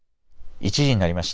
１時になりました。